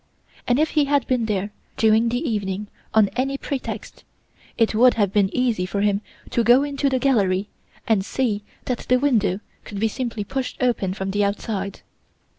And if he had been there during the evening on any pretext, it would have been easy for him to go into the gallery and see that the window could be simply pushed open from the outside.